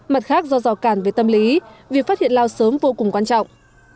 mặt khác do rò càn về tâm lý việc phát hiện lao sớm vô cùng quan trọng